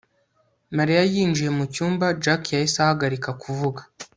Mariya yinjiye mucyumba Jack yahise ahagarika kuvuga